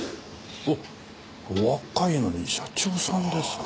おっお若いのに社長さんですか。